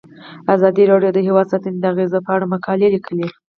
ازادي راډیو د حیوان ساتنه د اغیزو په اړه مقالو لیکلي.